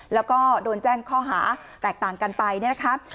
แล้วก็โดนแจ้งข้อหาแตกต่างกันไปเนี่ยนะคะ